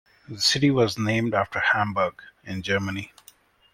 The city was named after Hamburg, in Germany.